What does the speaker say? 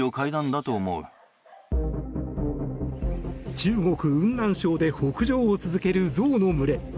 中国・雲南省で北上を続けるゾウの群れ。